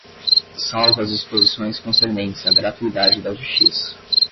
Salvo as disposições concernentes à gratuidade da justiça